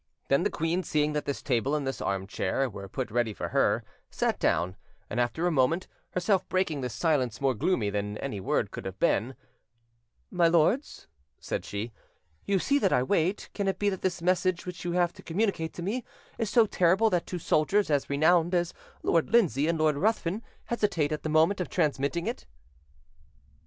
Then the queen, seeing that this table and this arm chair were put ready for her, sat down; and after a moment, herself breaking this silence more gloomy than any word could have been— "My lords," said she, "you see that I wait: can it be that this message which you have to communicate to me is so terrible that two soldiers as renowned as Lord Lindsay and Lord Ruthven hesitate at the moment of transmitting it?"